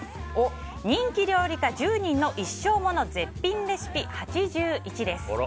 人気料理家１０人の一生もの絶品レシピ８１です。